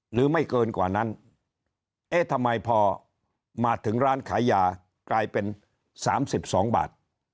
หรือไม่เกินกว่านั้นเอ๊ะทำไมพอมาถึงร้านขายยากลายเป็น๓๒บาท